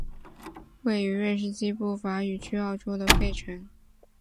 位于瑞士西部法语区沃州的贝城。